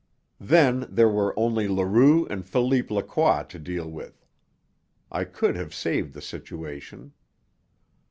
Then there were only Leroux and Philippe Lacroix to deal with. I could have saved the situation.